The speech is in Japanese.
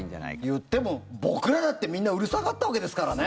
いっても僕らだってみんなうるさかったわけですからね。